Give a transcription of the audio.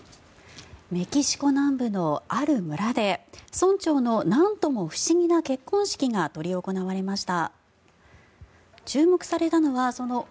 メキシコ南部のある村で村長のなんとも不思議な結婚式が執り行われました。